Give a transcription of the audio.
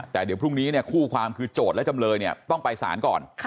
แต่เดี๋ยวพรุ่งนี้คู่ความคือโจทย์และจำเลยเนี่ยต้องไปสารก่อน